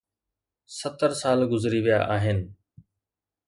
ستر سال گذري ويا آهن.